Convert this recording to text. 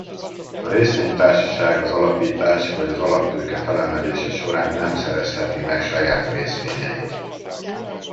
A részvénytársaság az alapítás vagy az alaptőke felemelése során nem szerezheti meg saját részvényeit.